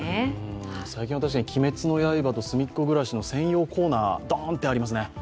最近は確かに「鬼滅の刃」と「すみっコぐらし」の専用コーナードーンってありますね。